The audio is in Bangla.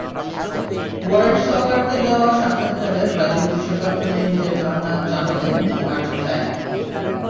ওয়ার্ল্ড সকারকে দেওয়া সাক্ষাৎকারে ব্রাজিল বিশ্বকাপ নিয়ে নিজের ভাবনা জানালেনএই আর্জেন্টাইন।